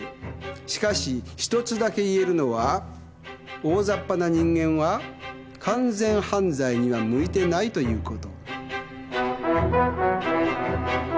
しかしひとつだけ言えるのは「大ざっぱな人間は完全犯罪には向いてない」ということ。